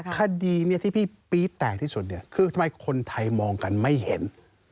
คดีที่พี่ปี๊ดแตกที่สุดคือทำไมคนไทยมองกันไม่เห็น